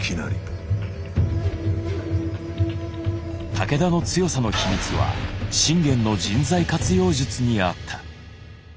武田の強さの秘密は信玄の人材活用術にあった。